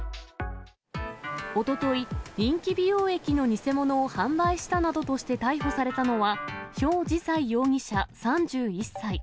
おととい、人気美容液の偽物を販売したなどとして逮捕されたのは、馮じ彩容疑者３１歳。